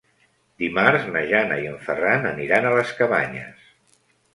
Dimarts na Jana i en Ferran aniran a les Cabanyes.